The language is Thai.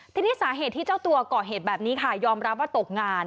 ทีนี้สาเหตุที่เจ้าตัวก่อเหตุแบบนี้ค่ะยอมรับว่าตกงาน